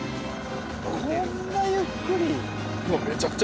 こんなゆっくり？